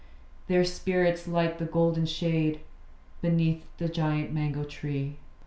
Their spirits light the golden shade Beneath the giant mango tree.